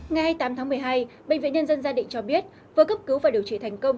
ngày hai mươi tám tháng một mươi hai bệnh viện nhân dân gia định cho biết vừa cấp cứu và điều trị thành công